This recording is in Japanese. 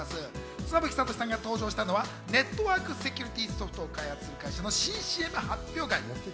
妻夫木聡さんが登場したのはネットワークセキュリティーソフトを開発する会社の新ＣＭ発表会。